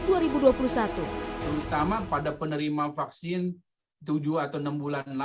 terutama pada penerima vaksin tujuh atau enam bulan